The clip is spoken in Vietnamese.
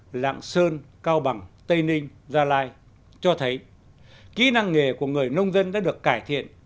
lạng sơn cao bằng tây ninh gia lai cho thấy kỹ năng nghề của người nông dân đã được cải thiện